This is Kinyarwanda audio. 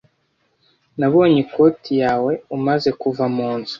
Nabonye ikoti yawe umaze kuva munzu.